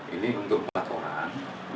ini untuk empat orang